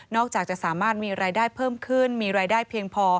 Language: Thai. จะสามารถมีรายได้เพิ่มขึ้นมีรายได้เพียงพอ